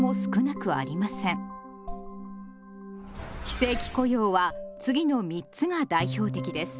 非正規雇用は次の３つが代表的です。